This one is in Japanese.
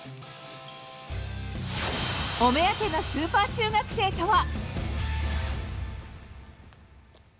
お目当てのスーパー中学生とは。